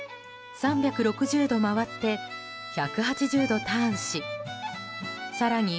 ３６０度回って１８０度ターンし更に